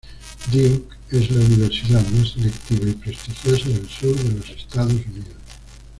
Duke es la universidad más selectiva y prestigiosa del sur de los Estados Unidos.